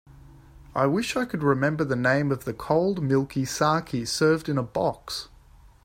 I wish I could remember the name of the cold milky saké served in a box.